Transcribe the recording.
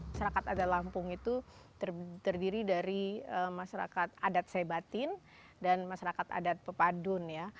masyarakat adat lampung itu terdiri dari masyarakat adat saibatin dan masyarakat adat pepadun ya